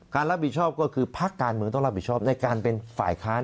รับผิดชอบก็คือภาคการเมืองต้องรับผิดชอบในการเป็นฝ่ายค้าน